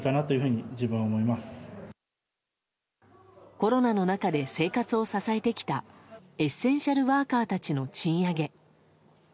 コロナの中で生活を支えてきたエッセンシャルワーカーたちの賃上げ。